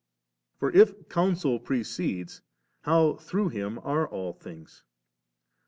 for if counsel precedes, how through Him are all things?